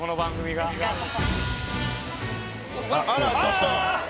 あらちょっと。